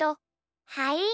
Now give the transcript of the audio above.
はい！